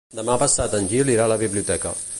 Demà passat en Gil irà a la biblioteca.